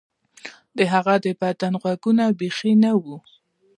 د هغه د بدن غوږونه بیخي نه وو